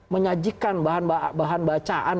menyajikan bahan bahan bacaan